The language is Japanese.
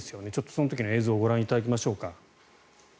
その時の映像をご覧いただきましょうか。